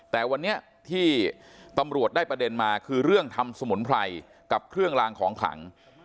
แต่วันนี้ที่ตำรวจได้ประเด็นมาคือเรื่องทำสมุนไพรกับเครื่องลางของขลัง